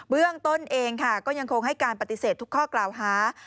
เรื่องต้นเองค่ะก็ยังคงให้การปฏิเสธทุกข้อกล่าวหา